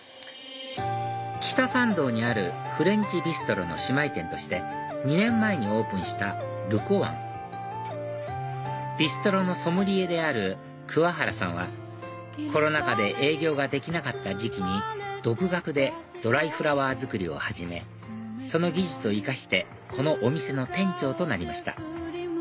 北参道にあるフレンチビストロの姉妹店として２年前にオープンしたＬｅｃｏｉｎビストロのソムリエである桑原さんはコロナ禍で営業ができなかった時期に独学でドライフラワー作りを始めその技術を生かしてこのお店の店長となりました